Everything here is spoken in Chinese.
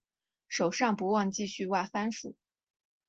手上不忘继续挖番薯